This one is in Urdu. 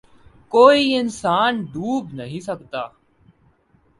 کوئی انسان ڈوب بھی نہیں سکتا